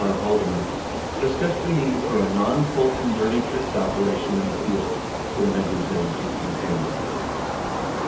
E. Haldeman, discussed the need for a "non Colson dirty tricks operation in the field" for the 1972 campaign.